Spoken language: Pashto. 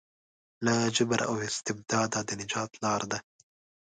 له جبر او استبداده د نجات لاره ده.